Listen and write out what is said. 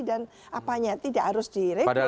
dan apanya tidak harus diregulasi